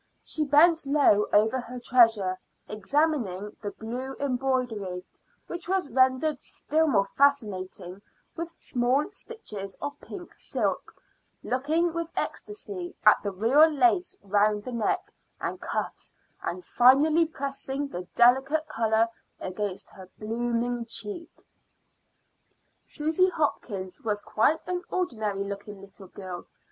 She bent low over her treasure, examining the blue embroidery, which was rendered still more fascinating with small stitches of pink silk, looking with ecstacy at the real lace round the neck and cuffs and finally pressing the delicate color against her blooming cheek. Susy Hopkins was quite an ordinary looking little girl.